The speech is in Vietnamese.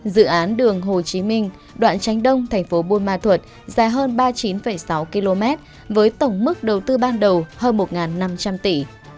dự án đường hồ chí minh đoạn tránh đông thành phố buôn ma thuật dài hơn ba mươi chín sáu km với tổng mức đầu tư ban đầu hơn một năm trăm linh tỷ